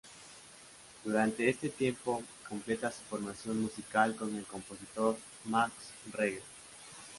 Durante este tiempo, completa su formación musical con el compositor Max Reger.